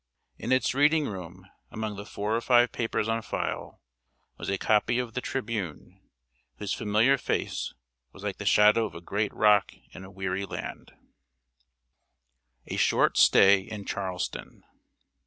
In its reading room, among the four or five papers on file, was a copy of The Tribune, whose familiar face was like the shadow of a great rock in a weary land. [Sidenote: A SHORT STAY IN CHARLESTON.